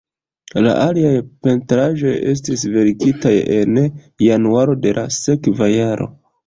La aliaj pentraĵoj estis verkitaj en januaro de la sekva jaro.